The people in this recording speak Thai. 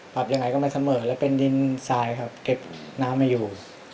ยังไงก็ไม่เสมอแล้วเป็นดินทรายครับเก็บน้ำไม่อยู่